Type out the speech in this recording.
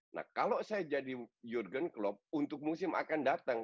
nah kalau saya jadi jurgen klopp untuk musim akan datang